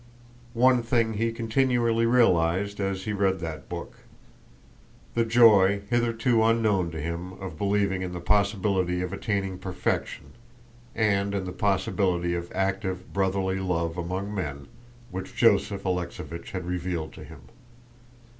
One thing he continually realized as he read that book: the joy, hitherto unknown to him, of believing in the possibility of attaining perfection, and in the possibility of active brotherly love among men, which Joseph Alexéevich had revealed to him.